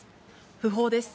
訃報です。